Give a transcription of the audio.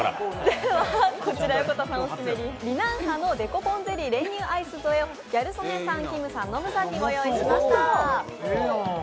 こちら、横田さんオススメの李南河のデコポンゼリー練乳アイス添えをギャル曽根さん、きむさん、ノブさんにご用意しました。